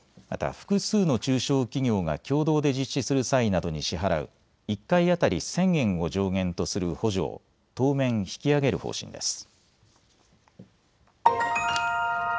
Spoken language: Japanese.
また複数の中小企業が共同で実施する際などに支払う１回当たり１０００円を上限とする補助を当面、引き上げる方針です。